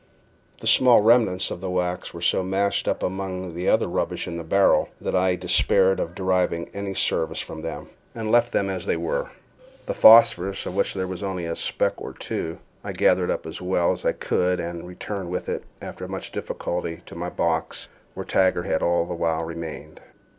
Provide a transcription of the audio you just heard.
The small remnants of the wax were so mashed up among other rubbish in the barrel, that I despaired of deriving any service from them, and left them as they were. The phosphorus, of which there was only a speck or two, I gathered up as well as I could, and returned with it, after much difficulty, to my box, where Tiger had all the while remained.